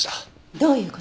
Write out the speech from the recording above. どういう事？